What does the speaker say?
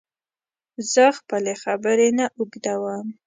زه خپلي خبري نه اوږدوم